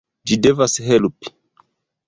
Ĝi devas helpi!